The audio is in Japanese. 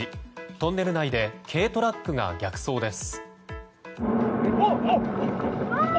トンネル内で軽トラックが逆走です。